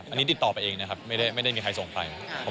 อันนี้ติดต่อไปเองนะครับไม่ได้มีใครส่งไป